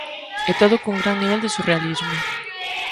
E todo cun gran nivel de surrealismo.